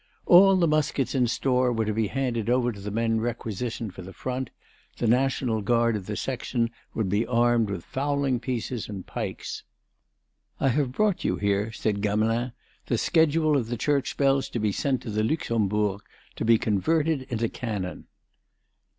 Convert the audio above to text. All the muskets in store were to be handed over to the men requisitioned for the front; the National Guard of the Section would be armed with fowling pieces and pikes. "I have brought you here," said Gamelin, "the schedule of the church bells to be sent to the Luxembourg to be converted into cannon."